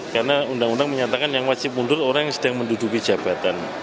karena undang undang menyatakan yang wajib mundur orang yang sedang menduduki jabatan